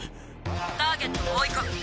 ターゲットを追い込む。